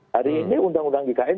hari ini undang undang gkn